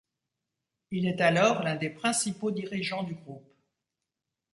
Il est alors l'un des principaux dirigeants du groupe.